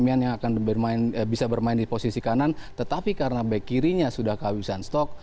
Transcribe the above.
back kanan yang biasanya darmian yang bisa bermain di posisi kanan tetapi karena back kirinya sudah kehabisan stok